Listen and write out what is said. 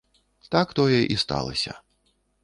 Так тое і сталася.